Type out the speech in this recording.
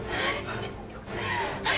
はい！